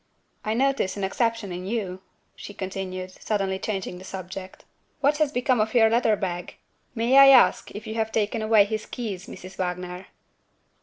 "I notice an exception in You," she continued, suddenly changing the subject. "What has become of your leather bag? May I ask if you have taken away his keys, Mrs. Wagner?"